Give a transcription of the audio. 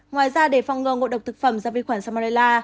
ngoài ra để phong ngờ ngội độc thực phẩm do vi khuẩn salmonella